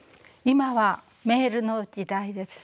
今はメールの時代です。